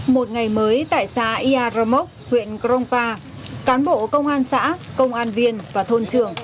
một ngày mới tại xã ia romoc huyện cronpa cán bộ công an xã công an viên và thôn trường